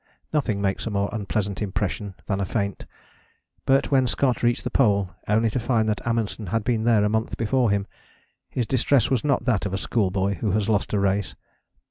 Nothing makes a more unpleasant impression than a feint. But when Scott reached the Pole only to find that Amundsen had been there a month before him, his distress was not that of a schoolboy who has lost a race.